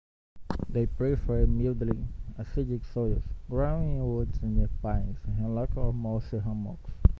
They prefer mildly acidic soils, growing in woods near pines, hemlock or mossy hummocks.